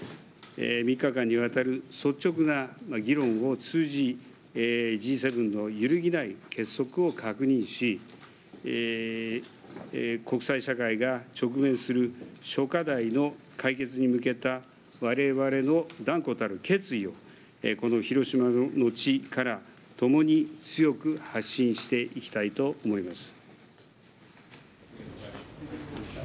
３日間にわたる率直な議論を通じＧ７の揺るぎない結束を確認し国際社会が直面する諸課題の解決に向けたわれわれの断固たる決意をこの広島の地からともに強く発信していきたいと思います。